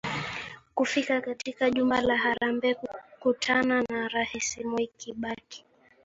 kufika katika jumba la harambee kukutana na rais mwai kibaki